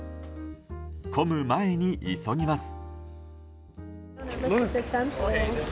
混む前に急ぎます。